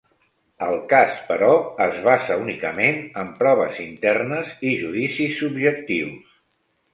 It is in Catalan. El cas, però, es basa únicament en proves internes i judicis subjectius.